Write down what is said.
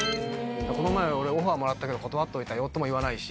「この前俺オファーもらったけど断っといたよ」とも言わないし。